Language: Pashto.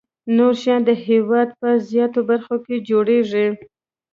نور شیان د هېواد په زیاتو برخو کې جوړیږي.